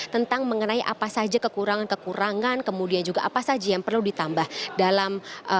tentang mengenai apa saja kekurangan kekurangan kemudian juga apa saja yang perlu ditambah dalam